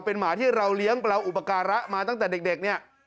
เป็นหมาที่เราเลี้ยงเราอุปการะมาตั้งแต่เด็กเนี่ย